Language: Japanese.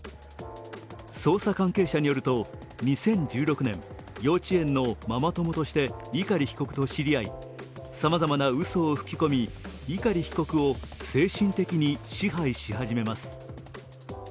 捜査関係者によると、２０１６年幼稚園のママ友として碇被告と知り合いさまざまなうそを吹き込み碇被告を精神的に支配し始めます。